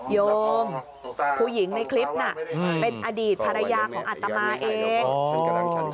โยมผู้หญิงในคลิปน่ะเป็นอดีตภรรยาของอัตมาเอง